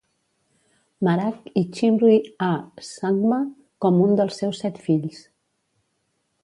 Marak i Chimri A. Sangma com un dels seus set fills.